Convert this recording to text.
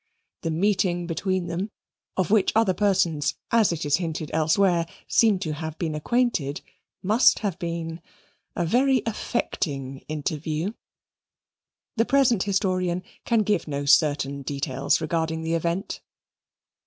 The meeting between them, of which other persons, as it is hinted elsewhere, seem to have been acquainted, must have been a very affecting interview. The present historian can give no certain details regarding the event.